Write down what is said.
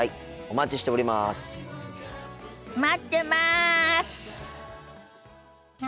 待ってます。